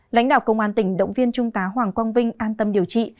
lãnh đạo công an tỉnh động viên trung tá hoàng quang vinh an tâm điều trị